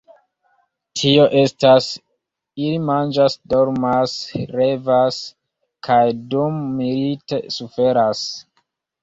Tio estas, ili manĝas, dormas, revas… kaj dummilite suferas.